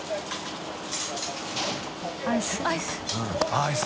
アイス。